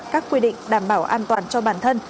các quy định đảm bảo an toàn cho bản thân